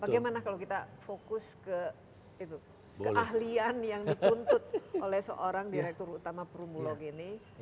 bagaimana kalau kita fokus ke keahlian yang dituntut oleh seorang direktur utama perumlog ini